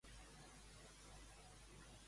Per què es diferencia?